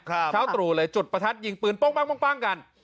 เช้าตรู่เลยจุดประทัดยิงปืนโป้งกัน